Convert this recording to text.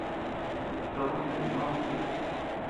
Toʼon nde no jichiba.